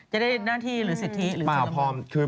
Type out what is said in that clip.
จะได้หน้าที่หรือสิทธิหรือสินคมหรือ